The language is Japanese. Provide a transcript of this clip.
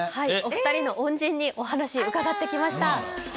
はいお二人の恩人にお話伺ってきました